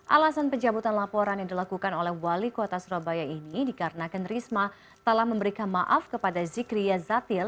alasan pencabutan laporan yang dilakukan oleh wali kota surabaya ini dikarenakan risma telah memberikan maaf kepada zikri ya zatil